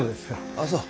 ああそう。